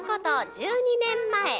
１２年前。